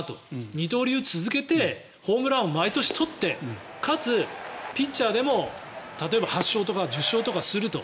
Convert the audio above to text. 二刀流を続けてホームラン王を毎年取ってかつ、ピッチャーでも例えば８勝とか１０勝とかすると。